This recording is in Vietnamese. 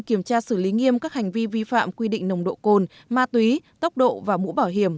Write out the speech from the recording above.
kiểm tra xử lý nghiêm các hành vi vi phạm quy định nồng độ cồn ma túy tốc độ và mũ bảo hiểm